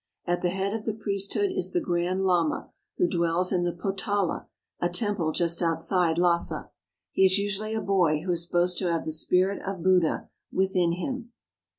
At the head of the priesthood is the Grand Lama, who dwells in the Potala, a temple just outside Lassa. He is usually a boy who is supposed to have the spirit of Buddha within him.